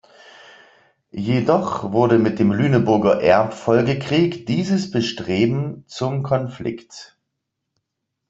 Jedoch wurde mit dem Lüneburger Erbfolgekrieg dieses Bestreben zum Konflikt.